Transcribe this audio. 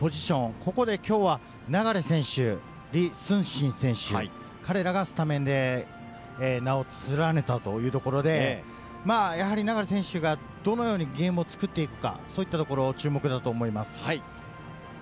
ゲームを作っていく両ポジション、ここできょうは流選手、李承信選手、彼らがスタメンで名を連ねたというところで、流選手がどのようにゲームを作っていくか、そういったところが注目だと思います。